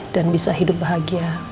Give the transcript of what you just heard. dan bisa hidup bahagia